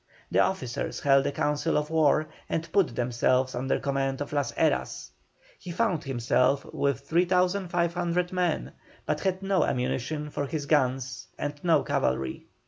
The officers held a council of war and put themselves under command of Las Heras. He found himself with 3,500 men, but had no ammunition for his guns and no cavalry.